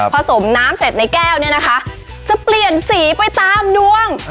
สมน้ำเสร็จในแก้วเนี่ยนะคะจะเปลี่ยนสีไปตามดวง